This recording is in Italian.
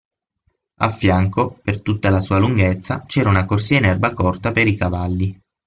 Affianco, per tutta la sua lunghezza, c'era una corsia in erba corta per i cavalli.